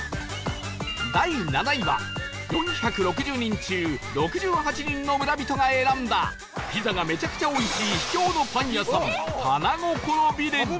第７位は４６０人中６８人の村人が選んだピザがめちゃくちゃおいしい秘境のパン屋さんたなごころビレッジ